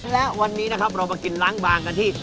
และวันนี้นะครับเรามากินล้างบางกันที่